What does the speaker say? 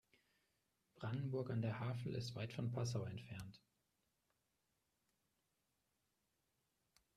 Brandenburg an der Havel ist weit von Passau entfernt